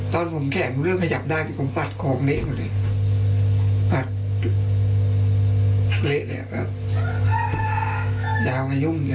ตอนผมแขกก็เริ่มไม่จับได้เลย